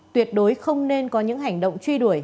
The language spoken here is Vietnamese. tuyệt đối không nên có những hành động truy đuổi